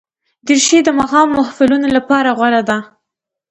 دریشي د ماښام محفلونو لپاره غوره ده.